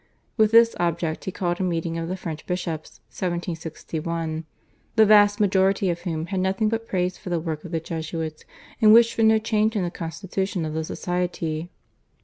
With this object he called a meeting of the French bishops (1761), the vast majority of whom had nothing but praise for the work of the Jesuits, and wished for no change in the constitution of the Society.